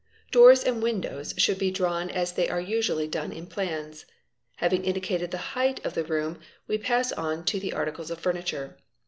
Doors and windows should be drawn as they are usually done in plans. Having indicated the height of the — room we pass on to the articles of furniture.